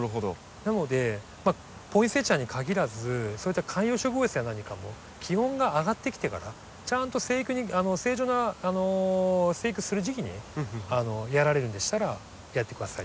なのでポインセチアにかぎらずそういった観葉植物や何かも気温が上がってきてからちゃんと生育に正常な生育する時期にやられるんでしたらやって下さい。